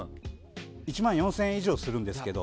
１万４０００円以上するんですけど。